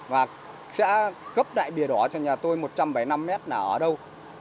và sẽ cấp đại bìa đỏ cho nhà tôi một trăm bảy mươi năm mét là ở đâu